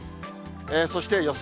そして予想